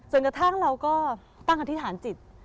ส่วนกระทั่งเราก็ตั้งอธิษฐานจิต